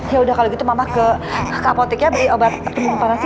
ya udah kalau gitu mama ke kapotiknya beli obat penumpang panas ya